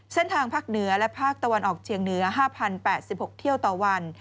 ภาคเหนือและภาคตะวันออกเชียงเหนือ๕๐๘๖เที่ยวต่อวัน